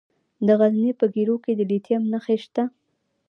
د غزني په ګیرو کې د لیتیم نښې شته.